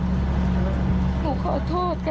ถ้าหนูขายทุเรียนหมดแล้ว